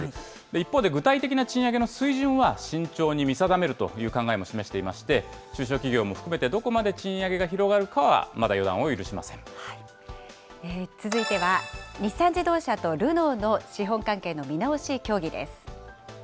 一方で、具体的な賃上げの水準は慎重に見定めるという考えも示していまして、中小企業も含めてどこまで賃上げが広がるかはまだ予断を許し続いては、日産自動車とルノーの資本関係の見直し協議です。